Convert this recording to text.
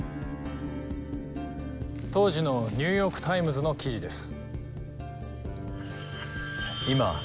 当時のニューヨークタイムズの記事です。